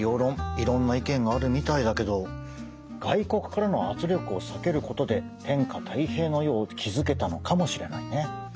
いろんな意見があるみたいだけど外国からの圧力を避けることで天下泰平の世を築けたのかもしれないね。